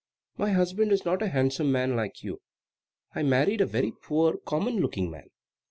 "My husband is not a handsome man like you. I married a very poor, common looking man."